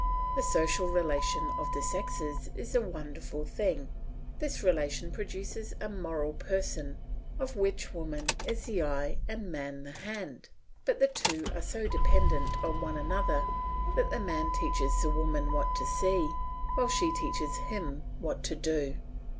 The social relation of the sexes is a wonderful thing. This relation produces a moral person of which woman is the eye and man the hand, but the two are so dependent on one another that the man teaches the woman what to see, while she teaches him what to do.